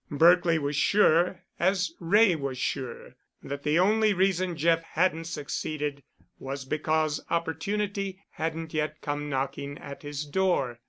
Berkely was sure, as Wray was sure, that the only reason Jeff hadn't succeeded was because opportunity hadn't yet come knocking at his door.